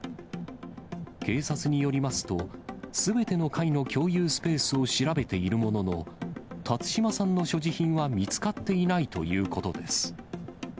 警察によりますと、すべての階の共有スペースを調べているものの、辰島さんの所持品は見つかっていないということです。